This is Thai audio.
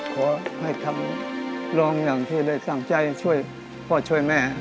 ขอให้ทำร้องอย่างที่ได้ตั้งใจช่วยพ่อช่วยแม่